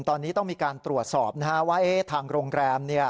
ตอนนี้ต้องมีการตรวจสอบว่าทางโรงแรม